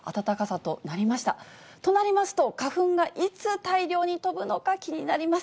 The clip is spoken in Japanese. となりますと、花粉がいつ大量に飛ぶのか気になります。